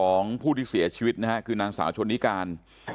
ของผู้ที่เสียชีวิตนะฮะคือนางสาวชนนิการ